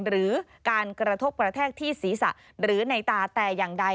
หรือการกระทบกระแทกที่ศีรษะหรือในตาแต่อย่างใด